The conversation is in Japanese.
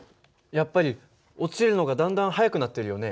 やっぱり落ちるのがだんだん速くなってるよね。